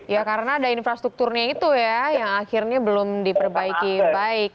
ya karena ada infrastrukturnya itu ya yang akhirnya belum diperbaiki baik